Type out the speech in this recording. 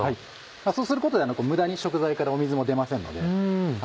そうすることで無駄に食材から水も出ませんので。